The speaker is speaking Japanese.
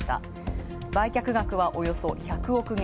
売却額はおよそ１００億元。